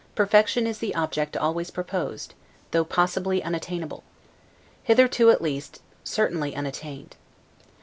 perfection is the object always proposed, though possibly unattainable; hitherto, at least, certainly unattained.